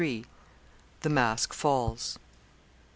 THE MASK FALLS.